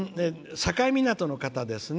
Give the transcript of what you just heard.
境港の方ですね。